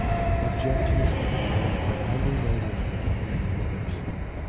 Objections had been raised by Andrew Lloyd Webber and many others.